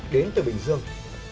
đến từ bình dương